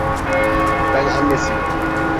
Ben annesiyim.